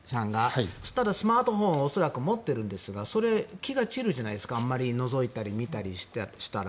スマートフォンを恐らく持っているんですが気が散るじゃないですかあんまりのぞいたり見たりしたら。